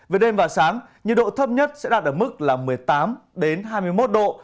về đêm và sáng nhiệt độ thấp nhất sẽ đạt ở mức là một mươi tám hai mươi một độ